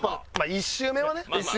１周目はね。